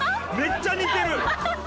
めっちゃ似てる！